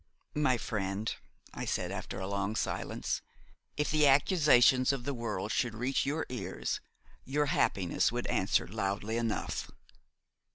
"My friend," I said after a long silence, "if the accusations of the world should reach your ears, your happiness would answer loudly enough."